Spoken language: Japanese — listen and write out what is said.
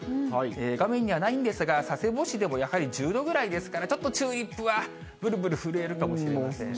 画面にはないんですが、佐世保市でもやはり１０度ぐらいですから、ちょっとチューリップはぶるぶる震えるかもしれません。